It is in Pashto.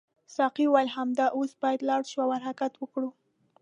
ساقي وویل همدا اوس باید لاړ شو او حرکت وکړو.